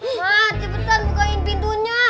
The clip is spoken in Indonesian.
mah cepetan bukain pintunya